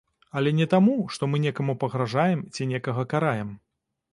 Але не таму, што мы некаму пагражаем ці некага караем.